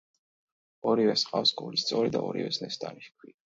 ორივეს ჰყავს გულის სწორი და ორივეს ნესტანი ჰქვია.